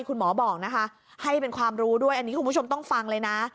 คุณหมอบอกนะคะให้เป็นความรู้ด้วยอันนี้คุณผู้ชมต้องฟังเลยนะ